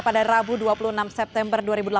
pada rabu dua puluh enam september dua ribu delapan belas